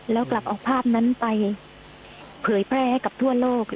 แล้วกลับเอาภาพนั้นไปเผยแพร่ให้กับทั่วโลก